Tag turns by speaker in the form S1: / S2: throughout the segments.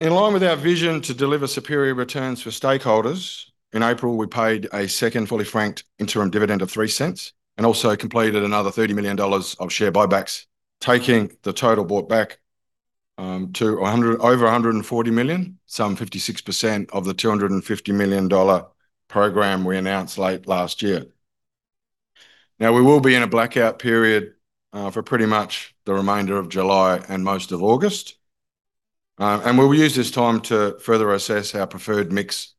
S1: In line with our vision to deliver superior returns for stakeholders, in April, we paid a second fully franked interim dividend of 0.03 and also completed another 30 million dollars of share buybacks, taking the total bought back to over 140 million, some 56% of the 250 million dollar program we announced late last year. We will be in a blackout period for pretty much the remainder of July and most of August. We will use this time to further assess our preferred mix.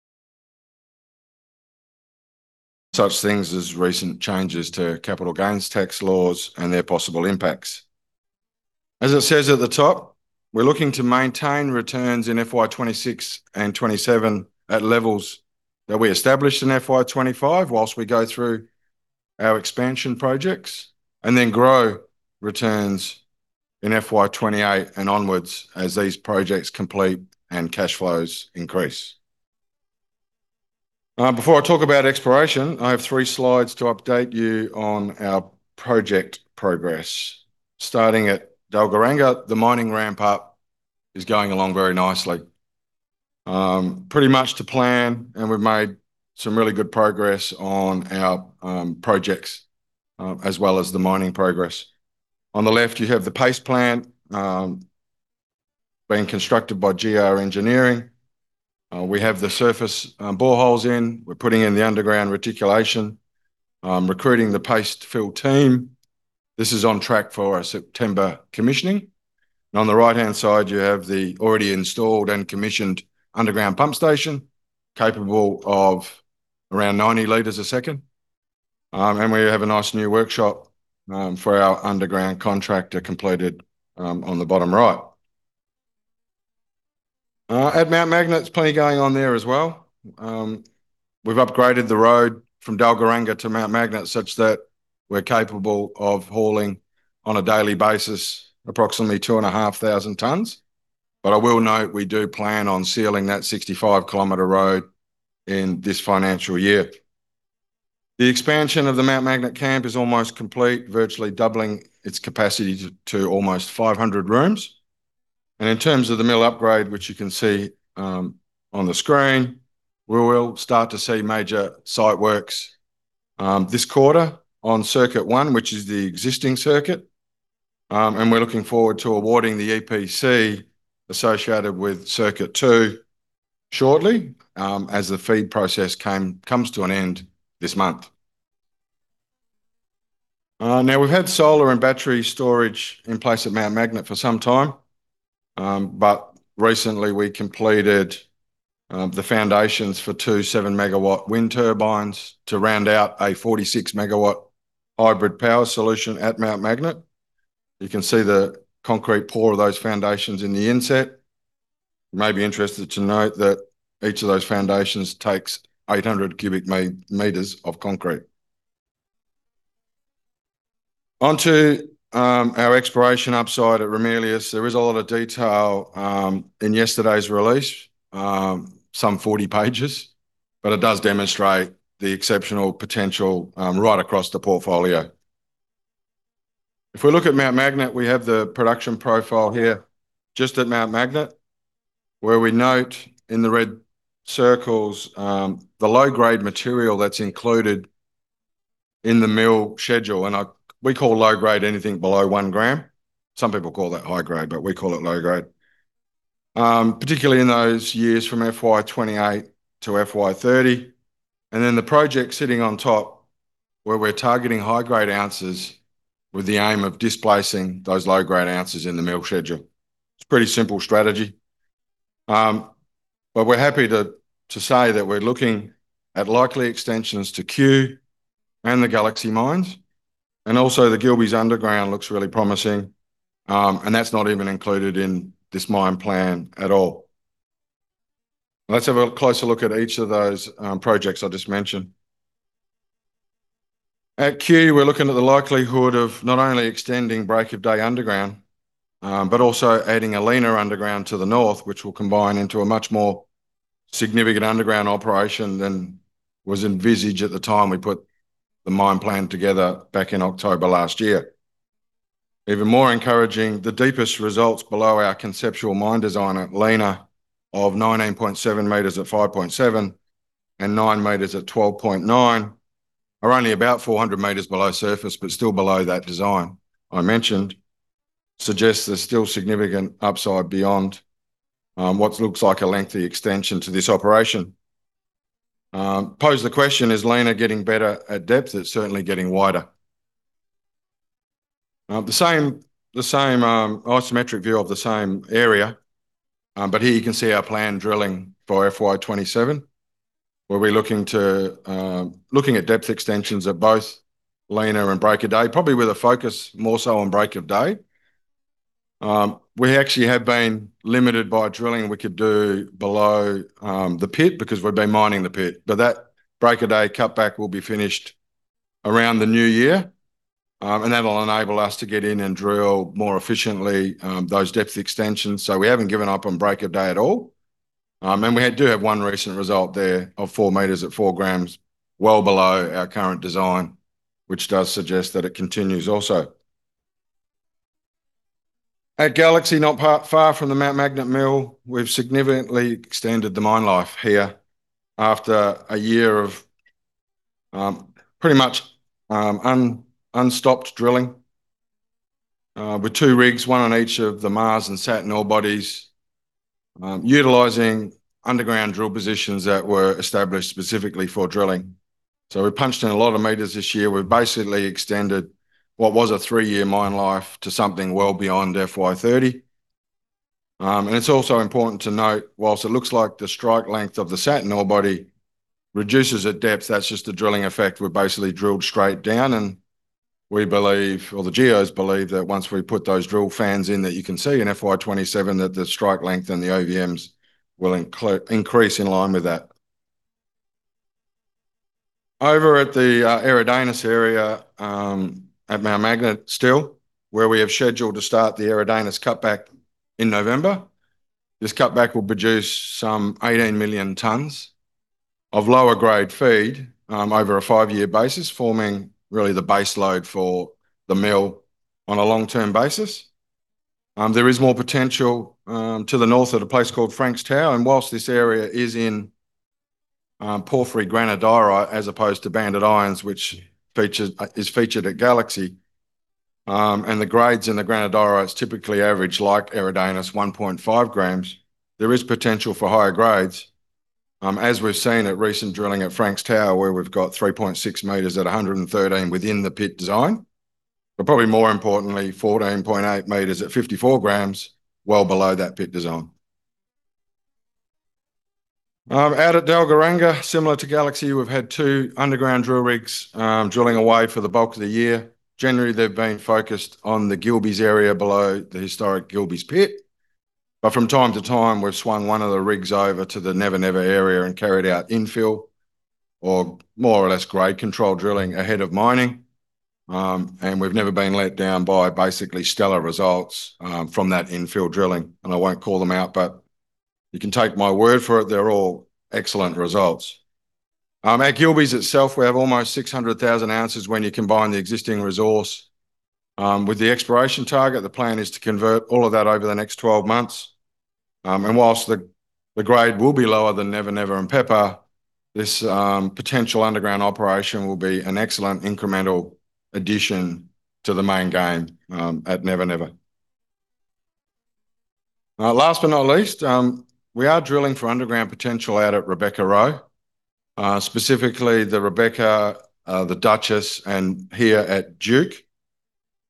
S1: Such things as recent changes to capital gains tax laws and their possible impacts. As it says at the top, we're looking to maintain returns in FY 2026 and FY 2027 at levels that we established in FY 2025, whilst we go through our expansion projects, and then grow returns in FY 2028 and onwards as these projects complete and cash flows increase. Before I talk about exploration, I have three slides to update you on our project progress. Starting at Dalgaranga, the mining ramp-up is going along very nicely. Pretty much to plan, and we've made some really good progress on our projects, as well as the mining progress. On the left, you have the paste plant being constructed by GR Engineering. We have the surface boreholes in. We're putting in the underground reticulation, recruiting the paste fill team. This is on track for a September commissioning. On the right-hand side, you have the already installed and commissioned underground pump station, capable of around 90 L a second. We have a nice new workshop for our underground contractor completed on the bottom right. At Mount Magnet, there's plenty going on there as well. We've upgraded the road from Dalgaranga to Mount Magnet such that we're capable of hauling, on a daily basis, approximately 2,500 tons. I will note we do plan on sealing that 65-km road in this financial year. The expansion of the Mount Magnet camp is almost complete, virtually doubling its capacity to almost 500 rooms. In terms of the mill upgrade, which you can see on the screen, we will start to see major site works this quarter on circuit one, which is the existing circuit. We're looking forward to awarding the EPC associated with circuit two shortly, as the feed process comes to an end this month. We've had solar and battery storage in place at Mount Magnet for some time. Recently we completed the foundations for two 7-MW wind turbines to round out a 46-MW hybrid power solution at Mount Magnet. You can see the concrete pour of those foundations in the inset. You may be interested to note that each of those foundations takes 800 cu m of concrete. On to our exploration upside at Ramelius. There is a lot of detail in yesterday's release. Some 40 pages. It does demonstrate the exceptional potential right across the portfolio. If we look at Mount Magnet, we have the production profile here just at Mount Magnet, where we note in the red circles the low-grade material that's included in the mill schedule. We call low-grade anything below 1 g. Some people call that high grade, but we call it low grade. Particularly in those years from FY 2028 to FY 2030. The project sitting on top, where we're targeting high-grade ounces with the aim of displacing those low-grade ounces in the mill schedule. It's a pretty simple strategy. We're happy to say that we're looking at likely extensions to Cue and the Galaxy mines, and also the Gilbey's underground looks really promising. That's not even included in this mine plan at all. Let's have a closer look at each of those projects I just mentioned. At Cue, we're looking at the likelihood of not only extending Break of Day underground but also adding Lena underground to the north, which will combine into a much more significant underground operation than was envisaged at the time we put the mine plan together back in October last year. Even more encouraging, the deepest results below our conceptual mine design at Lena of 19.7 m at 5.7 g/t and 9 m at 12.9 g/t are only about 400 m below surface, but still below that design I mentioned. Suggests there's still significant upside beyond what looks like a lengthy extension to this operation. Pose the question, is Lena getting better at depth? It's certainly getting wider. The same isometric view of the same area. Here you can see our planned drilling for FY 2027, where we're looking at depth extensions at both Lena and Break of Day, probably with a focus more so on Break of Day. We actually have been limited by drilling we could do below the pit because we've been mining the pit. That Break of Day cutback will be finished around the new year. That will enable us to get in and drill more efficiently those depth extensions. We haven't given up on Break of Day at all. We do have one recent result there of four meters at four grams, well below our current design, which does suggest that it continues also. At Galaxy, not far from the Mount Magnet Mill, we've significantly extended the mine life here after a year of pretty much unstopped drilling, with two rigs, one on each of the Mars and Saturn ore bodies, utilizing underground drill positions that were established specifically for drilling. We punched in a lot of meters this year. We've basically extended what was a three-year mine life to something well beyond FY 2030. It's also important to note, whilst it looks like the strike length of the Saturn ore body reduces at depth, that's just a drilling effect. We basically drilled straight down we believe, or the geos believe, that once we put those drill fans in that you can see in FY 2027, that the strike length and the OVMs will increase in line with that. Over at the Eridanus area, at Mount Magnet still, where we have scheduled to start the Eridanus cutback in November. This cutback will produce some 18 million tons of lower grade feed over a five-year basis, forming really the base load for the mill on a long-term basis. There is more potential to the north at a place called Franks Tower. Whilst this area is in porphyry granodiorite as opposed to banded irons, which is featured at Galaxy, the grades in the granodiorite typically average, like Eridanus, 1.5 g. There is potential for higher grades, as we've seen at recent drilling at Franks Tower, where we've got 3.6 m at 113 g within the pit design. Probably more importantly, 14.8 m at 54 g, well below that pit design. Out at Dalgaranga, similar to Galaxy, we've had two underground drill rigs drilling away for the bulk of the year. Generally, they've been focused on the Gilbey's area below the historic Gilbey's pit. From time to time, we've swung one of the rigs over to the Never Never area and carried out infill or more or less grade control drilling ahead of mining. We've never been let down by basically stellar results from that infill drilling. I won't call them out, but you can take my word for it, they're all excellent results. At Gilbey's itself, we have almost 600,000 oz when you combine the existing resource with the exploration target. The plan is to convert all of that over the next 12 months. Whilst the grade will be lower than Never Never and Pepper, this potential underground operation will be an excellent incremental addition to the main game at Never Never. Last but not least, we are drilling for underground potential out at Rebecca-Roe, specifically the Rebecca, the Duchess, and here at Duke.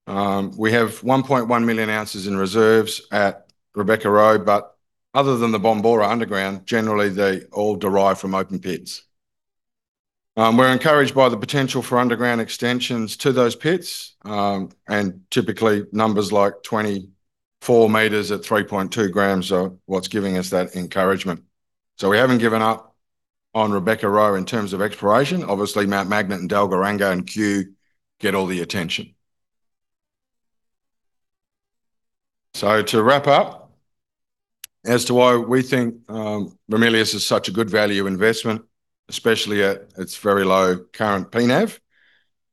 S1: We have 1.1 million ounces in reserves at Rebecca-Roe, but other than the Bombora underground, generally they all derive from open pits. We're encouraged by the potential for underground extensions to those pits, and typically numbers like 24 m at 3.2 g are what's giving us that encouragement. We haven't given up on Rebecca-Roe in terms of exploration. Obviously, Mount Magnet and Dalgaranga and Cue get all the attention. To wrap up as to why we think Ramelius is such a good value investment, especially at its very low current P/NAV.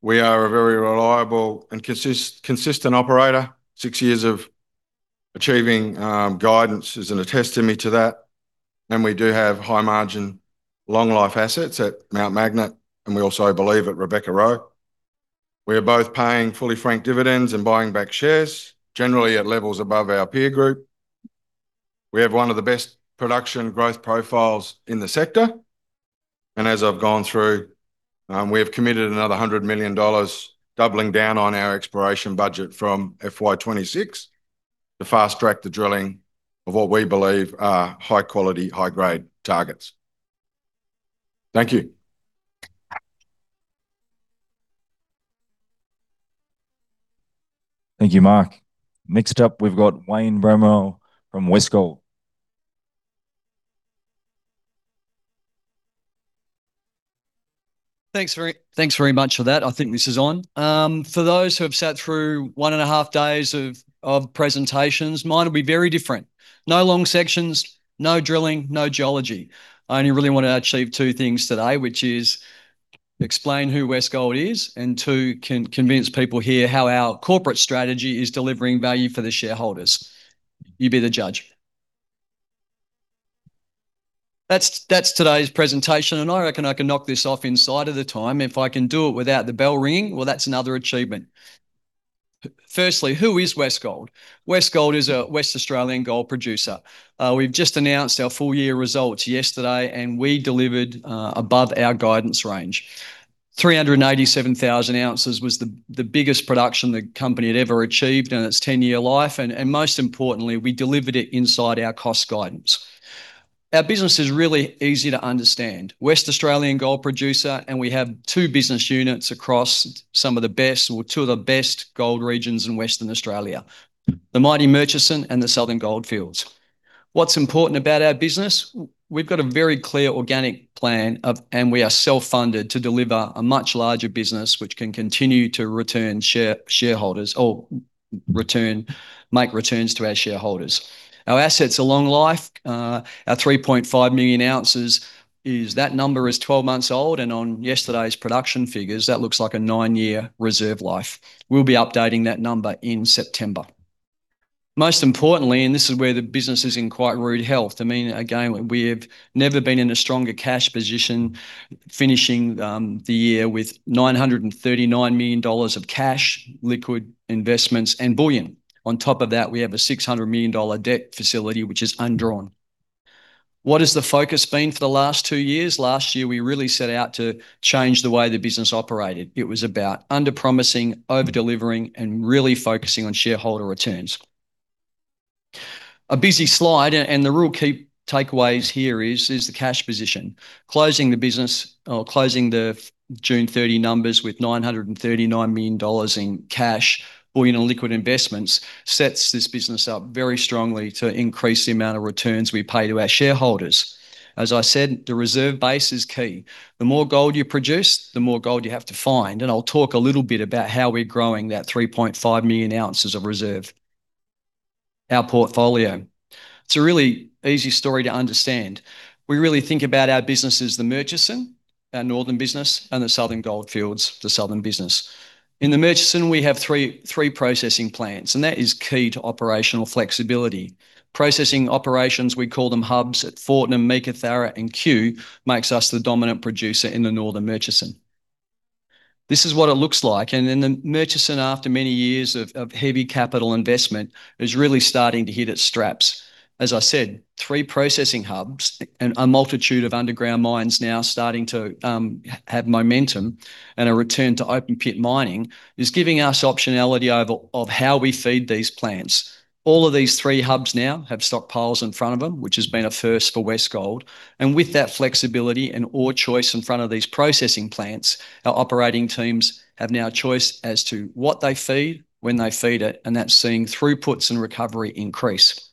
S1: We are a very reliable and consistent operator. Six years of achieving guidance is a testimony to that. We do have high margin, long life assets at Mount Magnet, and we also believe at Rebecca-Roe. We are both paying fully franked dividends and buying back shares, generally at levels above our peer group. We have one of the best production growth profiles in the sector. As I've gone through, we have committed another 100 million dollars, doubling down on our exploration budget from FY 2026 to fast-track the drilling of what we believe are high quality, high grade targets. Thank you.
S2: Thank you, Mark. Next up, we've got Wayne Bramwell from Westgold.
S3: Thanks very much for that. I think this is on. For those who have sat through 1.5 days of presentations, mine will be very different. No long sections, no drilling, no geology. I only really want to achieve two things today, which is explain who Westgold is and, two, convince people here how our corporate strategy is delivering value for the shareholders. You be the judge. That's today's presentation. I reckon I can knock this off inside of the time. If I can do it without the bell ringing, well, that's another achievement. Firstly, who is Westgold? Westgold is a Western Australian gold producer. We've just announced our full year results yesterday. We delivered above our guidance range. 387,000 oz was the biggest production the company had ever achieved in its 10-year life, and most importantly, we delivered it inside our cost guidance. Our business is really easy to understand. Western Australian gold producer, and we have two business units across some of the best, or two of the best gold regions in Western Australia. The mighty Murchison and the Southern Goldfields. What is important about our business? We have a very clear organic plan and we are self-funded to deliver a much larger business, which can continue to make returns to our shareholders. Our assets are long life. Our 3.5 million ounces. That number is 12 months old, and on yesterday's production figures, that looks like a nine-year reserve life. We will be updating that number in September. Most importantly, and this is where the business is in quite rude health. Again, we have never been in a stronger cash position, finishing the year with 939 million dollars of cash, liquid investments, and bullion. On top of that, we have an 600 million dollar debt facility, which is undrawn. What has the focus been for the last two years? Last year, we really set out to change the way the business operated. It was about under-promising, over-delivering, and really focusing on shareholder returns. A busy slide, and the real key takeaways here is the cash position. Closing the June 30 numbers with AUD 939 million in cash, bullion, and liquid investments sets this business up very strongly to increase the amount of returns we pay to our shareholders. As I said, the reserve base is key. The more gold you produce, the more gold you have to find, and I will talk a little bit about how we are growing that 3.5 million ounces of reserve. Our portfolio. It is a really easy story to understand. We really think about our business as The Murchison, our northern business, and the Southern Goldfields, the southern business. In The Murchison, we have three processing plants, and that is key to operational flexibility. Processing operations, we call them hubs, at Fortnum, Meekatharra, and Cue makes us the dominant producer in the Northern Murchison. This is what it looks like. And in The Murchison, after many years of heavy capital investment, is really starting to hit its straps. As I said, three processing hubs and a multitude of underground mines now starting to have momentum and a return to open-pit mining is giving us optionality of how we feed these plants. All of these three hubs now have stockpiles in front of them, which has been a first for Westgold. With that flexibility and ore choice in front of these processing plants, our operating teams have now a choice as to what they feed, when they feed it, and that is seeing throughputs and recovery increase.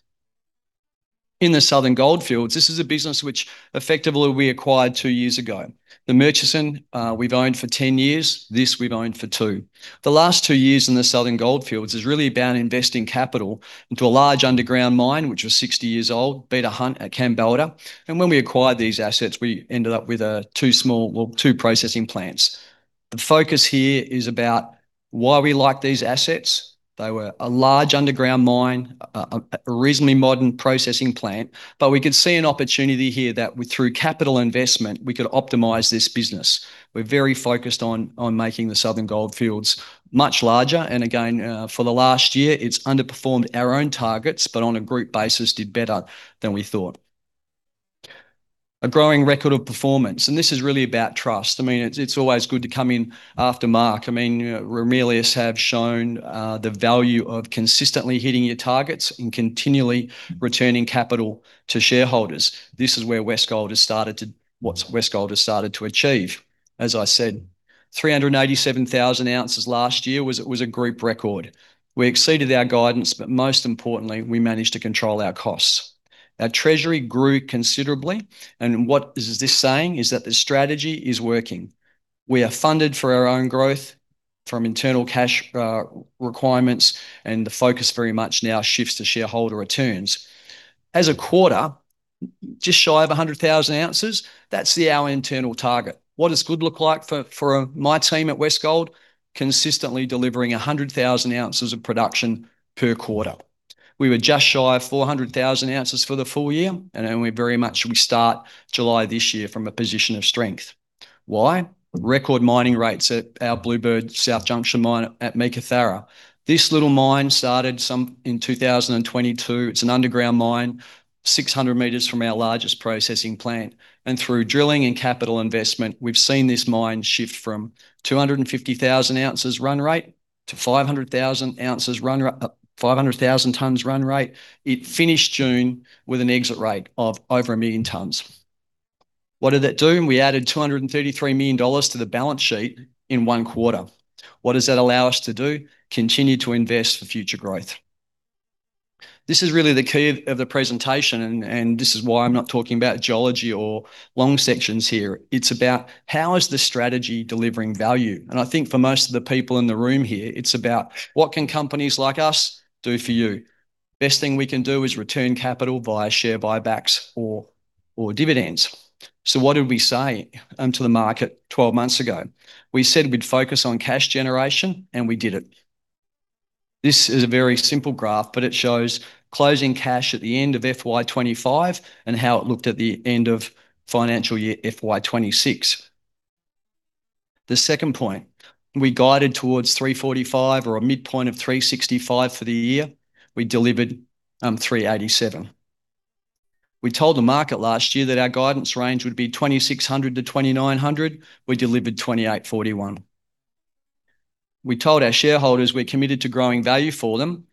S3: In the Southern Goldfields, this is a business which effectively we acquired two years ago. The Murchison we have owned for 10 years. This we have owned for two. The last two years in the Southern Goldfields has really been investing capital into a large underground mine, which was 60 years old, Beta Hunt at Kambalda. When we acquired these assets, we ended up with two processing plants. The focus here is about why we like these assets. They were a large underground mine, a reasonably modern processing plant. But we could see an opportunity here that through capital investment, we could optimize this business. We are very focused on making the Southern Goldfields much larger. Again, for the last year, it's underperformed our own targets. On a group basis, did better than we thought. A growing record of performance. This is really about trust. It's always good to come in after Mark. Ramelius have shown the value of consistently hitting your targets and continually returning capital to shareholders. This is what Westgold has started to achieve. I said, 387,000 oz last year was a group record. We exceeded our guidance. Most importantly, we managed to control our costs. Our treasury grew considerably. What is this saying? The strategy is working. We are funded for our own growth from internal cash requirements. The focus very much now shifts to shareholder returns. A quarter, just shy of 100,000 oz, that's our internal target. What does good look like for my team at Westgold? Consistently delivering 100,000 oz of production per quarter. We were just shy of 400,000 oz for the full year. We start July this year from a position of strength. Why? Record mining rates at our Bluebird-South Junction mine at Meekatharra. This little mine started in 2022. It's an underground mine 600 m from our largest processing plant. Through drilling and capital investment, we've seen this mine shift from 250,000 oz run rate to 500,000 tons run rate. It finished June with an exit rate of over 1 million tons. What did that do? We added 233 million dollars to the balance sheet in one quarter. What does that allow us to do? Continue to invest for future growth. This is really the key of the presentation. This is why I'm not talking about geology or long sections here. It's about how is the strategy delivering value. I think for most of the people in the room here, it's about what can companies like us do for you. Best thing we can do is return capital via share buybacks or dividends. What did we say to the market 12 months ago? We said we'd focus on cash generation. We did it. This is a very simple graph, but it shows closing cash at the end of FY 2025 and how it looked at the end of financial year FY 2026. The second point, we guided towards 345,000 oz or a midpoint of 365,000 oz for the year. We delivered 387,000 oz. We told the market last year that our guidance range would be 2,600-2,900. We delivered 2,841. We told our shareholders we're committed to growing value for them.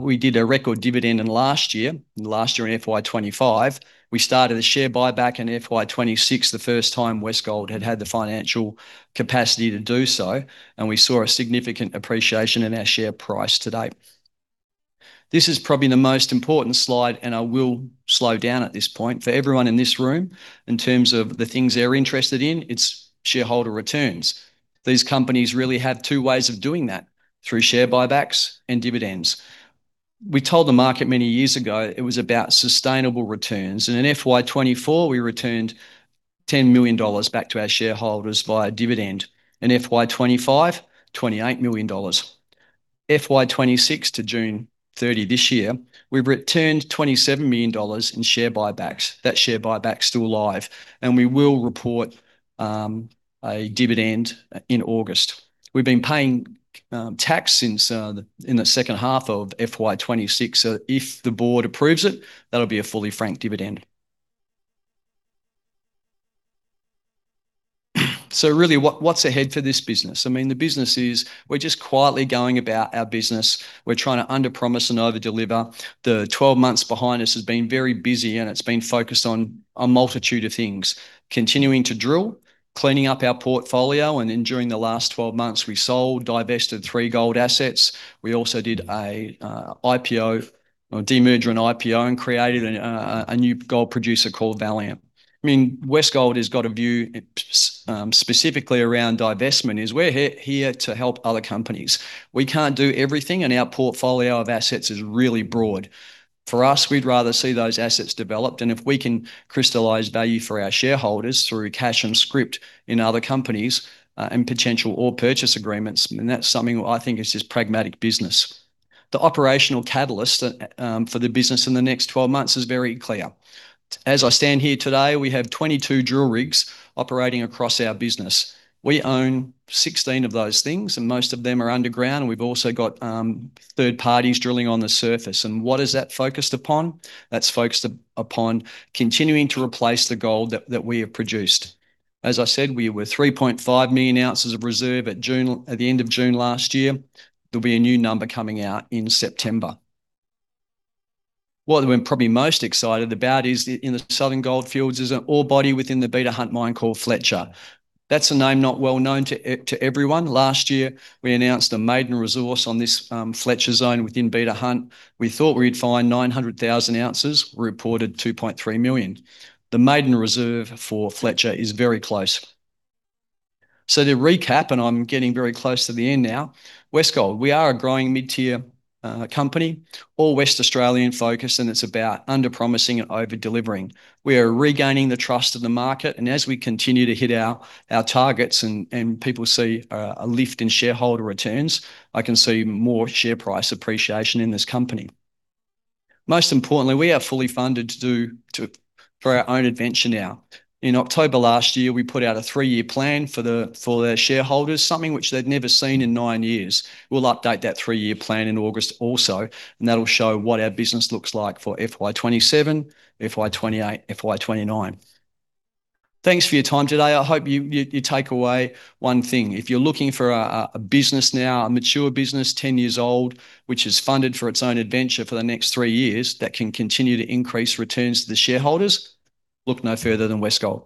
S3: We did a record dividend in last year, in FY 2025. We started a share buyback in FY 2026, the first time Westgold had had the financial capacity to do so. We saw a significant appreciation in our share price to date. This is probably the most important slide. I will slow down at this point. For everyone in this room, in terms of the things they're interested in, it's shareholder returns. These companies really have two ways of doing that, through share buybacks and dividends. We told the market many years ago it was about sustainable returns. In FY 2024, we returned 10 million dollars back to our shareholders via dividend. In FY 2025, 28 million dollars. FY 2026 to June 30 this year, we've returned 27 million dollars in share buybacks. That share buyback's still live. We will report a dividend in August. We've been paying tax in the second half of FY 2026, if the board approves it, that'll be a fully franked dividend. Really, what's ahead for this business? The business is, we're just quietly going about our business. We're trying to under promise and overdeliver. The 12 months behind us has been very busy, and it's been focused on a multitude of things. Continuing to drill, cleaning up our portfolio, and then during the last 12 months, we sold, divested three gold assets. We also did a demerger and IPO and created a new gold producer called Valiant. Westgold has got a view specifically around divestment, is we're here to help other companies. We can't do everything, and our portfolio of assets is really broad. For us, we'd rather see those assets developed, if we can crystallize value for our shareholders through cash and script in other companies and potential ore purchase agreements, then that's something I think is just pragmatic business. The operational catalyst for the business in the next 12 months is very clear. As I stand here today, we have 22 drill rigs operating across our business. We own 16 of those things, and most of them are underground, and we've also got third parties drilling on the surface. What is that focused upon? That's focused upon continuing to replace the gold that we have produced. As I said, we were 3.5 million ounces of reserve at the end of June last year. There'll be a new number coming out in September. What we're probably most excited about is in the Southern Goldfields is an ore body within the Beta Hunt mine called Fletcher. That's a name not well known to everyone. Last year, we announced a maiden resource on this Fletcher zone within Beta Hunt. We thought we'd find 900,000 oz. We reported 2.3 million. The maiden reserve for Fletcher is very close. To recap, I'm getting very close to the end now. Westgold, we are a growing mid-tier company, all West Australian focused, it's about under promising and overdelivering. We are regaining the trust of the market, as we continue to hit our targets and people see a lift in shareholder returns, I can see more share price appreciation in this company. Most importantly, we are fully funded for our own adventure now. In October last year, we put out a three-year plan for the shareholders, something which they'd never seen in nine years. We'll update that three-year plan in August also, that'll show what our business looks like for FY 2027, FY 2028, FY 2029. Thanks for your time today. I hope you take away one thing. If you're looking for a business now, a mature business, 10 years old, which is funded for its own adventure for the next three years, that can continue to increase returns to the shareholders, look no further than Westgold